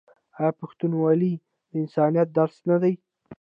آیا پښتونولي د انسانیت درس نه دی؟